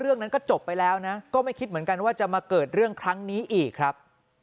เรื่องนั้นก็จบไปแล้วนะก็ไม่คิดเหมือนกันว่าจะมาเกิดเรื่องครั้งนี้อีกครับ